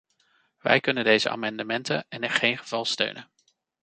Wij kunnen deze amendementen in geen geval steunen.